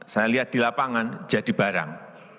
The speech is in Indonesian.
saya lihat di lapangan jadi barang